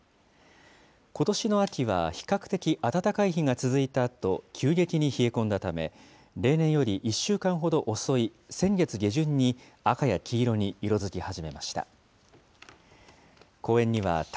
ことしの秋は比較的暖かい日が続いたあと、急激に冷え込んだため、例年より１週間ほど遅い先月下旬に赤や黄色に色づき始めました。